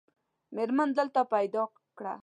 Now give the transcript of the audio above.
مېرمن دلته پیدا کړه.